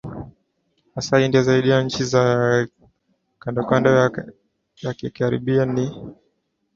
hasa India zaidi ya na nchi za kandokando yakeKiarabu ni